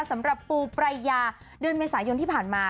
สำหรับปูปรายยาเดือนเมษายนที่ผ่านมา